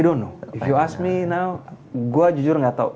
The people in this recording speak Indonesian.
kalau lo nanya gue sekarang gue jujur nggak tahu